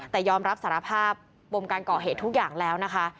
แต่ยอมรับสารภาพปมการก่อเหตุทุกอย่างแล้วนะคะ